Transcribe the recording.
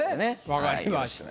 わかりました。